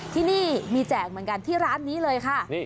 ที่นี่มีแจกเหมือนกันที่ร้านนี้เลยค่ะ